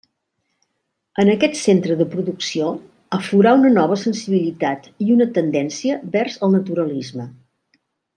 En aquest centre de producció aflorà una nova sensibilitat i una tendència vers el naturalisme.